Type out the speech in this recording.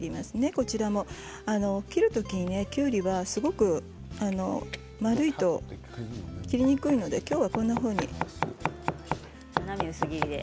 こちらも切る時にねきゅうりはすごく丸いと切りにくいので今日はこんなふうにします。